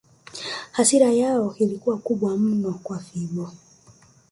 Hasira yao ilikuwa kubwa mno kwa Figo